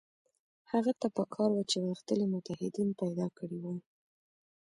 هغه ته په کار وه چې غښتلي متحدین پیدا کړي وای.